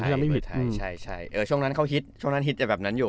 เบอร์ไทยเบอร์ไทยใช่ช่วงนั้นเขาฮิตแบบนั้นอยู่